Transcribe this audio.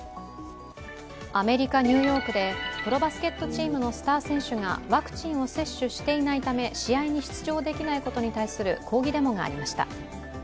アメリカ・ニューヨークでプロバスケットチームのスター選手がワクチンを接種していないため、試合に出場できないことに対する抗議デモがありました。